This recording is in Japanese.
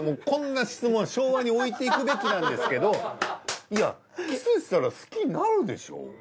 こんな質問は昭和に置いていくべきなんですけどいやキスしたら好きになるでしょ？